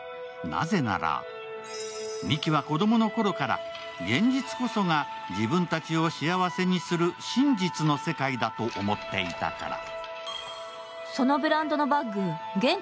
なぜなら、ミキは子供のころから現実こそが自分たちを幸せにする真実の世界だと思っていたから。